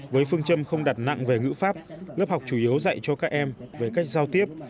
với phương châm không đặt nặng về ngữ pháp lớp học chủ yếu dạy cho các em về cách giao tiếp